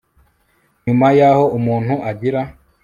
nyuma yaho umuntu agira